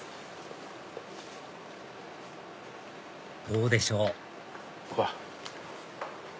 どうでしょう？